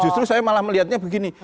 justru saya malah melihatnya begini